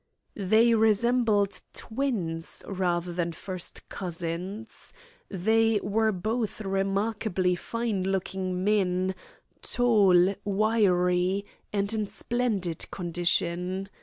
They resembled twins rather than first cousins. They were both remarkably fine looking men, tall, wiry, and in splendid condition.